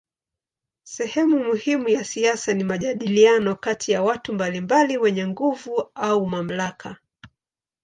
Sehemu muhimu ya siasa ni majadiliano kati ya watu mbalimbali wenye nguvu au mamlaka.